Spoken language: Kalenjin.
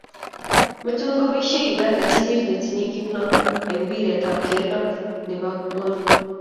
metun koboisie Uganda timit netinye kimnon eng mpiret ab keldo ne bo ngony.